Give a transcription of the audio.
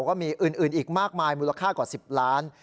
ก็มีอื่นอีกมากมายมูลค่ากว่า๑๐ล้าน